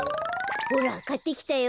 ほらかってきたよ。